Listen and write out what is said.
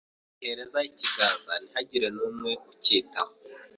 abahereza ikiganza ntihagire n’umwe ucyitaho